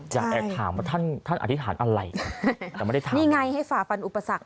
อยากแอบถามว่าท่านท่านอธิษฐานอะไรแต่ไม่ได้ทำนี่ไงให้ฝ่าฟันอุปสรรค